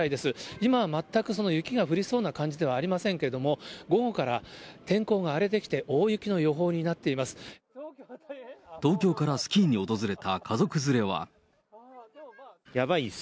今は全くその雪が降りそうな感じではありませんけれども、午後から天候が荒れてきて、大雪の予報になっています。